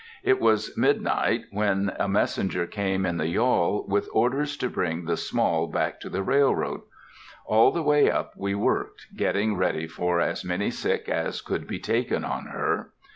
It was midnight when a messenger came in the yawl, with orders to bring the Small back to the railroad. All the way up we worked, getting ready for as many sick as could be taken on her.